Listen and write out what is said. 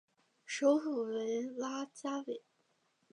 首府为拉加韦。